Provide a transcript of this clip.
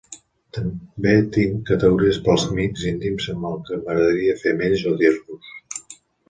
També tinc categories per als amics íntim amb el que m'agradaria fer amb ells o dir-los.